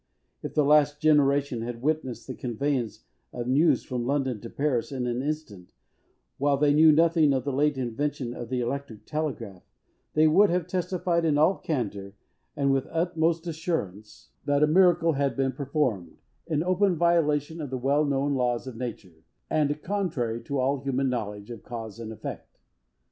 If the last generation had witnessed the conveyance of news from London to Paris, in an instant, while they knew nothing of the late invention of the electric telegraph, they would have testified, in all candour, and with the utmost assurance, that a miracle had been performed, in open violation of the well known laws of nature, and contrary to all human knowledge of cause and effect.